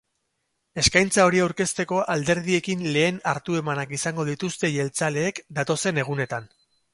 Eskaintza hori aurkezteko alderdiekin lehen hartu-emanak izango dituzte jeltzaleek datozen egunetan.